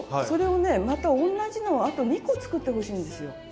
それをねまた同じのをあと２個作ってほしいんですよ。